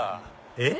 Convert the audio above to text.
えっ？